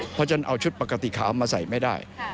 เพราะฉะนั้นเอาชุดปกติขาวมาใส่ไม่ได้